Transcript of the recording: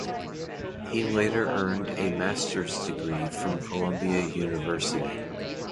He later earned a master's degree from Columbia University.